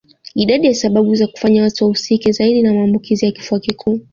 Idadi ya sababu za kufanya watu wahusike zaidi na maambukizi ya kifua kikuu